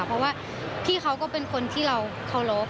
เพราะว่าพี่เขาก็เป็นคนที่เราเคารพ